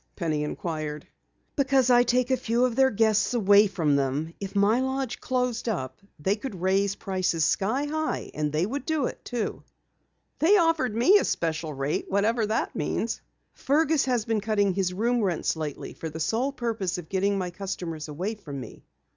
Penny inquired. "Because I take a few of their guests away from them. If my lodge closed up they could raise prices sky high, and they would do it, too!" "They offered me a special rate, whatever that means." "Fergus has been cutting his room rents lately for the sole purpose of getting my customers away from me.